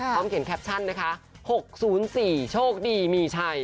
เขียนแคปชั่นนะคะ๖๐๔โชคดีมีชัย